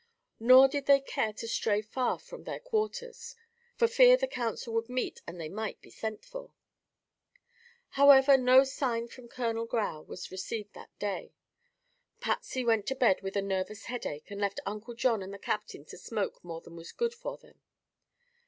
Nor did they care to stray far from their quarters, for fear the council would meet and they might be sent for. However, no sign from Colonel Grau was received that day. Patsy went to bed with a nervous headache and left Uncle John and the captain to smoke more than was good for them.